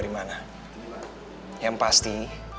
lagu mereka awal udah digerakkan tadi